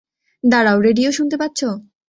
দাঁড়াও - রেডিও শুনতে পাচ্ছ?